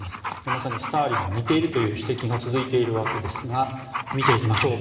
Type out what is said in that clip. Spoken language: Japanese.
まさにスターリンに似ているという指摘が続いているわけですが見ていきましょう。